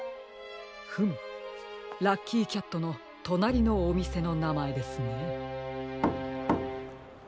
フムラッキーキャットのとなりのおみせのなまえですね。